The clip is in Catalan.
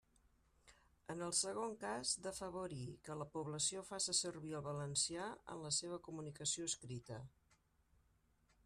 En el segon cas, d'afavorir que la població faça servir el valencià en la seua comunicació escrita.